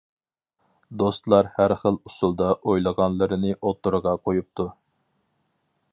دوستلار ھەر خىل ئۇسۇلدا ئويلىغانلىرىنى ئوتتۇرىغا قۇيۇپتۇ.